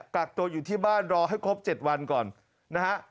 กักตัวอยู่ที่บ้านรอให้ครบ๗วันก่อนนะฮะ